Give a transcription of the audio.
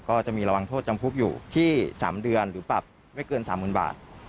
ก็จะมีระวังโทษจำคุกอยู่ที่๓เดือนหรือปรับไม่เกิน๓๐๐๐บาท